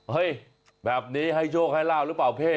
เฮ้ยแบบนี้ให้โชคให้ลาบหรือเปล่าพี่